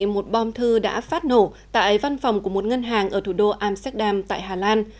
một bom thư đã phát nổ tại văn phòng của một ngân hàng ở thủ đô amsterdam tại hà lan